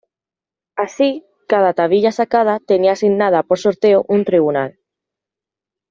Así, cada tablilla sacada tenía asignada por sorteo un tribunal.